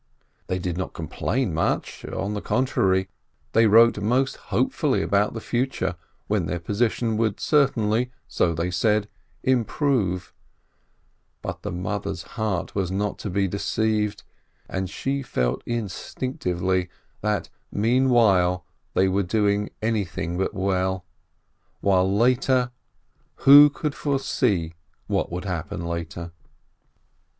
They did not complain much ; on the contrary, they wrote most hopefully about the future, when their position would certainly, so they said, improve; but the mother's heart was not to be deceived, and she felt instinctively that meanwhile they were doing anything but well, while later — who could foresee what would happen later?